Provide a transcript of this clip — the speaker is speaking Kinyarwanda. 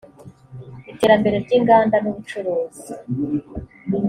iterambere ry inganda n ubucuruzi